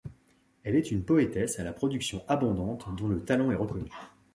Elle est une poétesse à la production abondante dont le talent est reconnu.